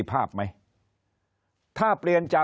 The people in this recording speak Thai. คนในวงการสื่อ๓๐องค์กร